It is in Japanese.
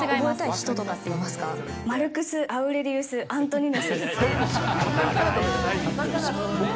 今、マルクス・アウレリウス・アントニヌス。